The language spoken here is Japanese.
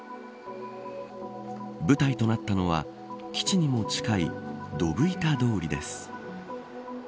舞台となったのは基地にも近いどぶ板通りです。